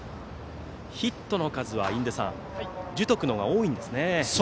ヒットの数は、印出さん樹徳のほうが多いんですね。